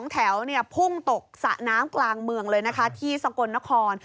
แถวพุ่งตกสระน้ำกลางเมืองเลยนะคะที่สกลนคร